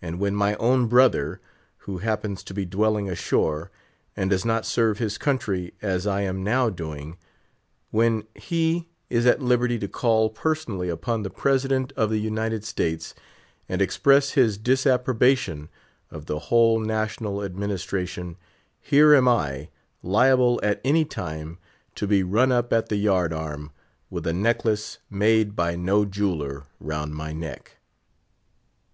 And when my own brother, who happens to be dwelling ashore, and does not serve his country as I am now doing—when he is at liberty to call personally upon the President of the United States, and express his disapprobation of the whole national administration, here am I, liable at any time to be run up at the yard arm, with a necklace, made by no jeweler, round my neck!